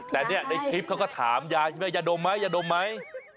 แต่เนี่ยในคลิปเขาก็ถามยายใช่ไหมยาดมไหมยาดมไหม